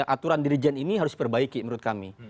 aturan dirijen ini harus diperbaiki menurut kami